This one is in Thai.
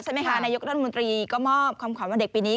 นายกรัฐมนตรีก็มอบคำขวัญวันเด็กปีนี้